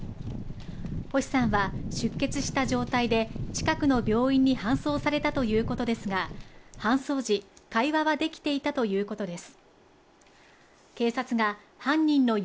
星さんは、出血した状態で近くの病院に搬送されたということですが、搬送時、会話はできていたということです。